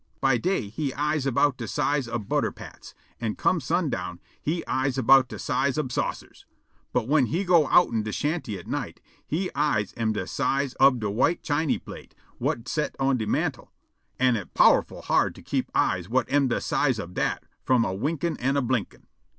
By day he eyes 'bout de size ob butter pats, an' come sundown he eyes 'bout de size ob saucers; but whin he go' outen de shanty at night, he eyes am de size ob de white chiny plate whut set on de mantel; an' it powerful' hard to keep eyes whut am de size ob dat from a winkin' an' a blinkin'.